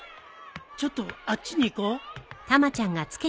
ちょっとあっちに行こう。